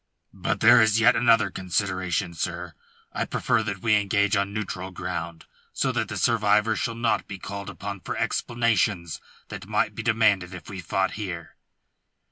"But there is yet another consideration, sir. I prefer that we engage on neutral ground, so that the survivor shall not be called upon for explanations that might be demanded if we fought here."